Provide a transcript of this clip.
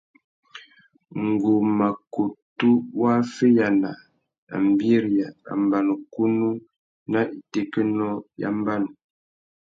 Ngu mà kutu waffeyāna nà mbîriya râ mbanukunú nà itékénô ya mbanu.